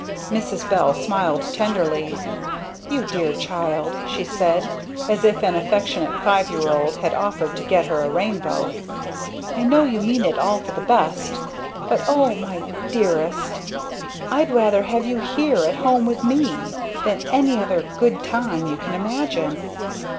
Mrs. Bell smiled tenderly. "You dear child!" she said; as if an affectionate five year old had offered to get her a rainbow, "I know you mean it all for the best. But, O my dearest! I'd rather have you here at home with me than any other 'good time' you can imagine!"